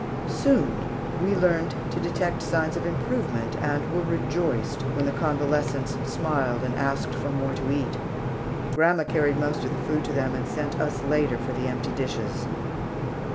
Soon we learned to detect signs of improvement, and were rejoiced when the convalescents smiled and asked for more to eat. Grandma carried most of the food to them and sent us later for the empty dishes.